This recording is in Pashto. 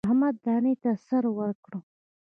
احمد دانې ته سر ورکړ.